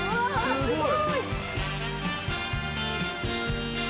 すごい。